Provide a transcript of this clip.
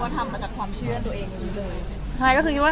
คิดว่าทำมาจากความเชื่อตัวเองหรือเปล่า